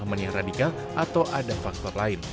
ada keadaan yang radikal atau ada faktor lain